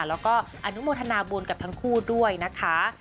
แล้วก็อนุโมทนาบุญกับทั้งคู่ด้วยนะคะ